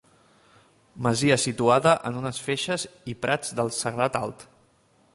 Masia situada en unes feixes i prats del Serrat Alt.